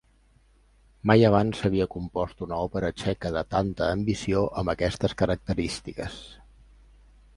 Mai abans s'havia compost una òpera txeca de tanta ambició amb aquestes característiques.